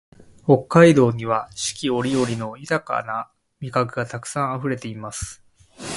北海道には四季折々の豊な味覚がたくさんあふれています